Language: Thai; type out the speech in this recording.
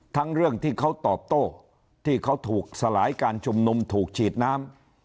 เรื่องที่เขาตอบโต้ที่เขาถูกสลายการชุมนุมถูกฉีดน้ำ